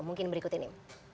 mungkin berikut ini